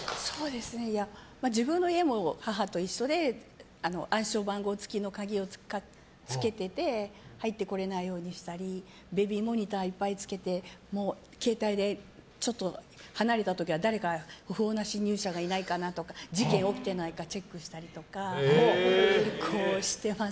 自分の家も、母と一緒で暗証番号付きの鍵をつけてて入ってこれないようにしたりベビーモニターいっぱいつけて携帯で、ちょっと離れた時は誰か、不法な侵入者がいないかなとか事件起きてないかチェックしたりとか。